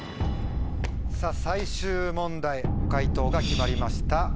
最終問題解答が決まりました。